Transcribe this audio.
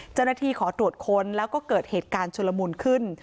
เจ้าหน้าที่ขอตรวจค้นแล้วก็เกิดเหตุการณ์ชุลมุนขึ้น